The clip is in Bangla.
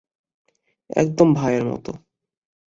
একদম ভাইয়ের মত।